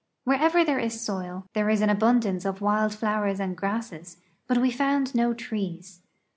Wherever there is soil, there is an abun dance of wild flowers and grasses, but we found no trees.